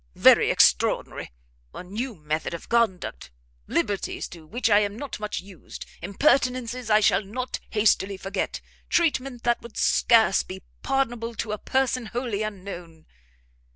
"Very extraordinary! a new method of conduct! liberties to which I am not much used! impertinences I shall not hastily forget, treatment that would scarce be pardonable to a person wholly unknown!